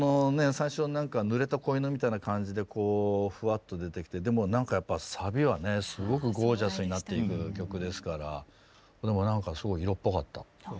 最初は何かぬれた子犬みたいな感じでふわっと出てきてでも何かやっぱサビはねすごくゴージャスになっていく曲ですからでも何かすごい色っぽかった。